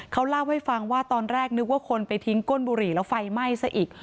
เขาเล่าให้ฟังว่าตอนแรกนึกว่าคนไปทิ้งก้นบุหรี่แล้วไฟไหม้ซะอีก